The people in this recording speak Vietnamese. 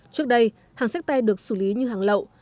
trước đây hàng sách tay được xử lý như hàng lậu